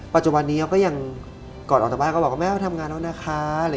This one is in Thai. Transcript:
ปัจจุบันนี้เขาก็ยังก่อนออกจากบ้านก็บอกว่าแม่ไปทำงานแล้วนะคะ